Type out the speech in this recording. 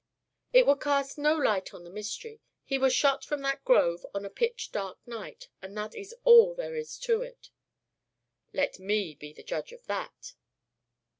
"It would cast no light on the mystery. He was shot from that grove on a pitch dark night, and that is all there is to it." "Let me be the judge of that."